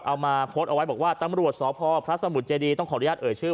เอามาโพสต์เอาไว้บอกว่าตำรวจสพพระสมุทรเจดีต้องขออนุญาตเอ่ยชื่อ